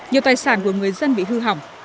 nhiều tài sản của người dân bị hư hỏng